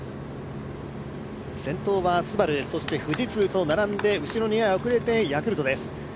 先頭はＳＵＢＡＲＵ、そして富士通と並んで、後ろには遅れてヤクルトです。